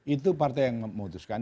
itu partai yang memutuskan